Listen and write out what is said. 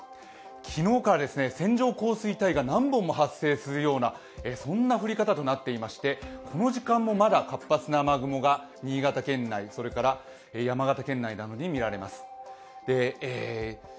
昨日から線状降水帯が何本も発生するような降り方となっていまして、この時間もまだ活発な雨雲が新潟県内、それから山形県内などに見られます。